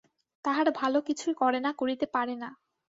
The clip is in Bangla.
তাহারা ভাল কিছুই করে না, করিতে পারে না।